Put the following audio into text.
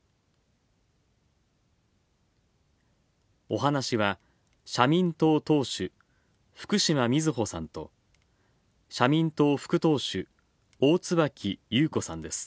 お話しは、社民党党首福島みずほさんと、社民党副党首大椿ゆうこさんです。